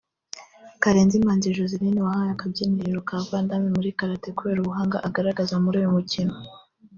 Karenzi Manzi Joslyn wahawe akabyiniriro ka Vandamme muri Karate kubera ubuhanga agaragaza muri uyu mukino